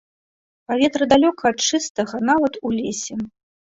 Паветра далёка ад чыстага нават у лесе.